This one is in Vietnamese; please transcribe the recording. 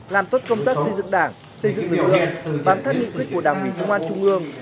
làm tốt công tác xây dựng đảng xây dựng lực lượng bám sát nghị quyết của đảng ủy công an trung ương